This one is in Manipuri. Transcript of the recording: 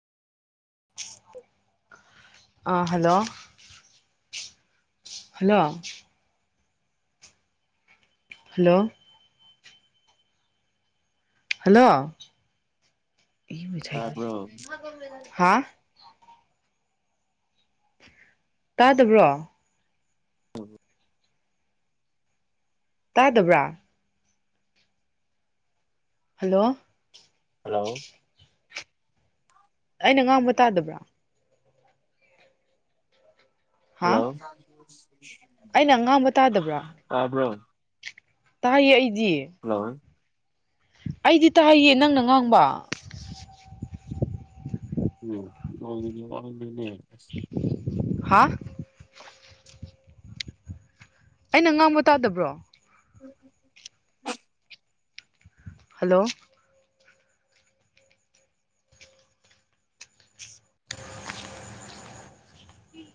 ꯑ ꯍꯜꯂꯣ ꯍꯜꯂꯣ ꯍꯜꯂꯣ ꯍꯜꯂꯣ ꯇꯥꯕ꯭ꯔꯣ ꯍꯥꯥ ꯇꯥꯗꯕ꯭ꯔꯣ ꯎꯝ ꯇꯥꯗꯕ꯭ꯔꯥ ꯍꯜꯂꯣ ꯍꯂꯣ ꯑꯩꯅ ꯉꯥꯡꯕ ꯇꯥꯗꯕ꯭ꯔꯥ ꯍꯥ ꯍꯜꯂꯣ ꯑꯩꯅ ꯑꯉꯥꯡꯕ ꯇꯥꯗꯕ꯭ꯔꯥ ꯇꯥꯕ꯭ꯔꯣ ꯇ ꯍꯜꯂꯣ ꯑꯩꯗꯤ ꯇꯥꯍꯩꯌꯦ ꯅꯪꯅ ꯉꯥꯡꯕ ꯎꯝꯅꯦ ꯍꯥ ꯑꯩꯅ ꯉꯥꯡꯕ ꯇꯥꯗꯕ꯭ꯔꯣ ꯎ ꯍꯂꯣ